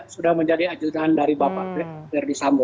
sudah menjadi ajudan dari bapak ferdisambo